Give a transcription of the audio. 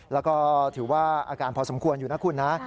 แล้วก็ถือว่าอาการพอสมควรอยู่นะคุณนะ